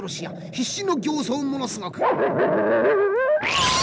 必死の形相ものすごく。